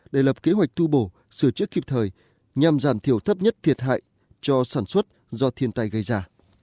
để lập kế hoạch tu bổ sửa chứa kịp thời nhằm giảm thiểu thấp nhất thiệt hại cho sản xuất do thiên tài gây ra